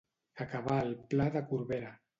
Acabar al Pla de Corbera.